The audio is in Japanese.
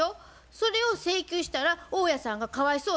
それを請求したら大家さんがかわいそうです。